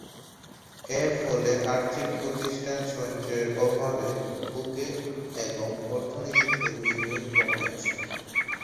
এর ফলে আর্থিক প্রতিষ্ঠান সঞ্চয়ের অভাবে ভোগে এবং অর্থনীতিতে বিনিয়োগ কমে আসে।